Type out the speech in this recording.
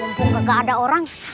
wumpung gak ada orang